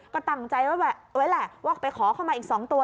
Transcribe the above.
ก็ตั้งใจไว้แหละว่าไปขอเข้ามาอีก๒ตัว